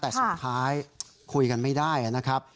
แต่สุดท้ายคุยกันไม่ได้นะครับ